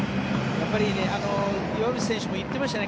やっぱり岩渕選手も言っていましたね。